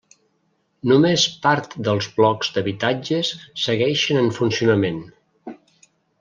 Només part dels blocs d'habitatges segueixen en funcionament.